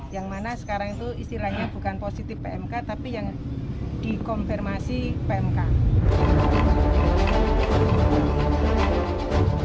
yang mana sekarang itu istilahnya bukan positif pmk tapi yang dikonfirmasi pmk